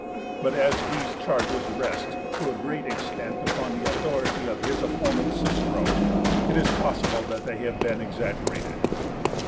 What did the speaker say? But as these charges rest to a great extent upon the authority of his opponent Cicero, it is possible that they have been exaggerated.